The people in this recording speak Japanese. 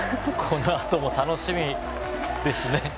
このあとも楽しみですね。